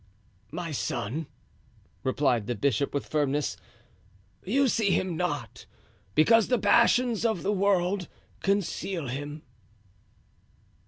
"My son," replied the bishop, with firmness, "you see Him not, because the passions of the world conceal Him."